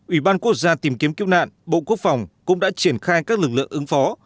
ủy ban quốc gia tìm kiếm cứu nạn bộ quốc phòng cũng đã triển khai các lực lượng ứng phó